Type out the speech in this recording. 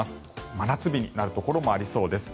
真夏日になるところもありそうです。